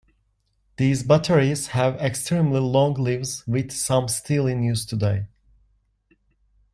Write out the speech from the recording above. These batteries have extremely long lives with some still in use today.